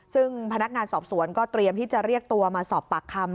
ซึ่งพนักงานสอบสวนก็เตรียมที่จะเรียกตัวมาสอบปากคำ